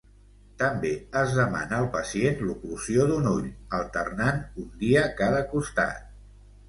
També es demana al pacient l'oclusió d'un ull, alternant un dia cada costat.